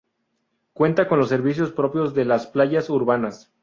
Cuenta con los servicios propios de las playas urbanas.